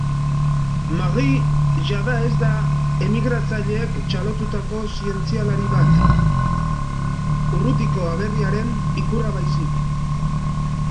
Marie jada ez da emigratzaileek txalotutako zientzialari bat, urrutiko aberriaren ikurra baizik.